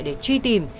để truy tìm